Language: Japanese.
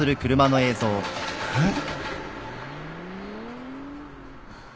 えっ？